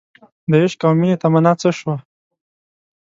دعشق او مینې تمنا څه شوه